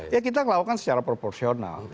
ya kita melakukan secara proporsional